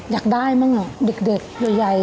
ชมมี